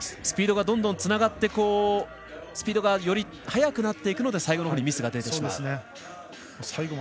スピードがどんどんつながって速くなっていくので最後のほうにミスが出てしまうと。